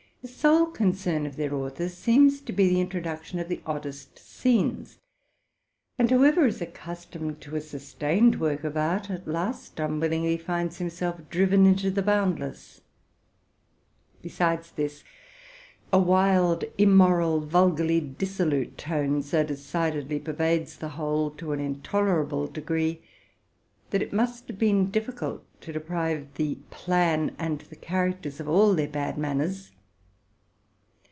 The sole concern of their authors seems to be the in troduction of the oddest scenes ; and whoever is accustomed to a sustained work of art, at last unwillingly finds himself driven into the boundless. Besides this, a wild, immoral, vulgarly dissolute tone so decidedly pervades the whole, to an intolerable degree, that it must have been difficult to de prive the plan and the characters of all their bad manners.